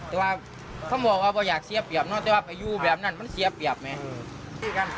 แต่ว่าเขาบอกว่าอยากเสียเปรียบเนอะแต่ว่าไปอยู่แบบนั้นมันเสียเปรียบไง